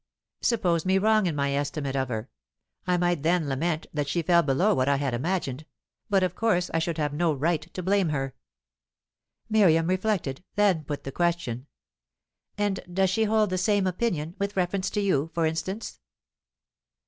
Suppose me wrong in my estimate of her. I might then lament that she fell below what I had imagined, but of course I should have no right to blame her." Miriam reflected; then put the question: "And does she hold the same opinion with reference to you, for instance?"